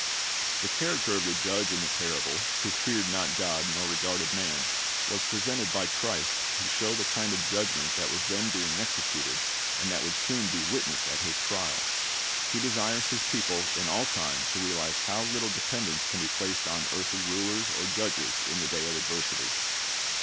The character of the judge in the parable, who feared not God nor regarded man, Was presented by Christ to show the kind of judgment that was then being executed, and that would soon be witnessed at His trial. He desires His people in all time to realize how little dependence can be placed on earthly rulers or judges in the day of adversit}'.